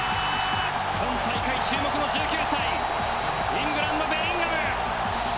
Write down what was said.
今大会、注目の１９歳イングランドのベリンガム。